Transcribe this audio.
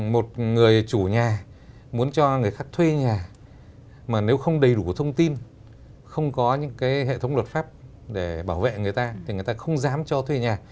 một người chủ nhà muốn cho người khác thuê nhà mà nếu không đầy đủ thông tin không có những cái hệ thống luật pháp để bảo vệ người ta thì người ta không dám cho thuê nhà